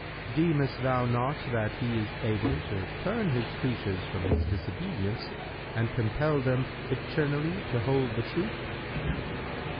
Deemest thou not that He is able to turn His creatures from this disobedience and compel them eternally to hold the Truth?"